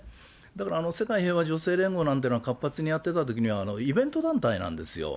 だから世界平和女性連合なんていうのは、活発にやってたときには、イベント団体なんですよ。